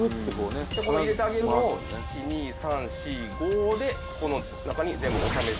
入れてあげるのを１２３４５でこの中に全部収める。